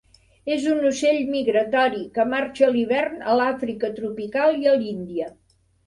És un ocell migratori, que marxa a l'hivern a l'Àfrica tropical i a l'Índia.